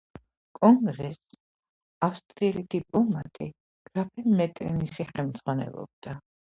კონგრესს ავსტრიელი დიპლომატი, გრაფი მეტერნიხი ხელმძღვანელობდა.